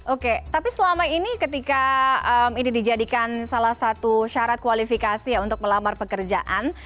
oke tapi selama ini ketika ini dijadikan salah satu syarat kualifikasi ya untuk melamar pekerjaan